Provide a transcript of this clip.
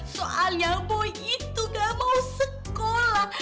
soalnya boy itu gak mau sekolah